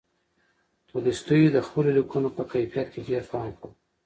تولستوی د خپلو لیکنو په کیفیت کې ډېر پام کاوه.